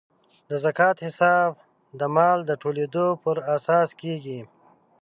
د زکات حساب د مال د ټولیدو پر اساس کیږي.